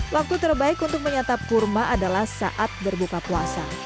waktu terbaik untuk menyatap kurma adalah saat berbuka puasa